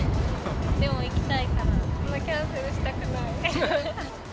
でも行きたいから、キャンセルしたくない。